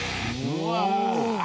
うわ！